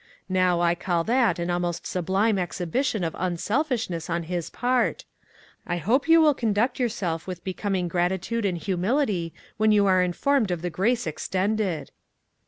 Now, I call that an almost sublime exhibition of unself ishness on his part! I hope you will con duct yourself with becoming gratitude and 14 ONE COMMONPLACE DAY. humility when you are informed of the grace extended."